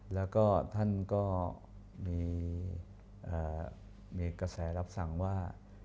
แล้วก็ท่านก็มีกระแสรับสั่งว่า